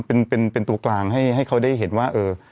เป็นตัวกลางให้เขาได้เห็นว่าเออ